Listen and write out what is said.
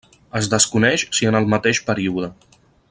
Es desconeix si en el mateix període.